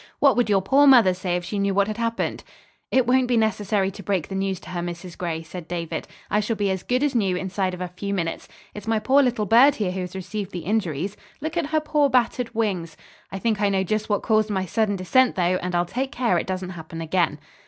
What would your poor mother say if she knew what had happened?" "It won't be necessary to break the news to her, Mrs. Gray," said David. "I shall be as good as new inside of a few minutes. It's my poor little bird here who has received the injuries. Look at her poor battered wings! I think I know just what caused my sudden descent though, and I'll take care it doesn't happen again."